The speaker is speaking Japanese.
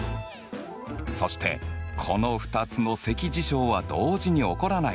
そしてこの２つの積事象は同時に起こらない。